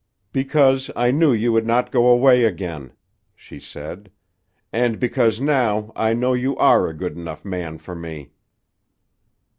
"Because I knew you would not go away again," she said, "and because now I know you are a good enough man for me."